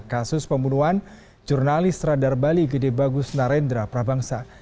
kasus pembunuhan jurnalis radar bali gede bagus narendra prabangsa